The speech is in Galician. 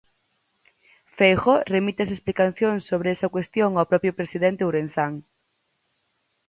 Feijóo remite as explicacións sobre esa cuestión ao propio presidente ourensán.